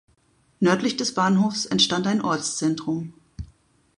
Nördlich des Bahnhofs entstand ein Ortszentrum.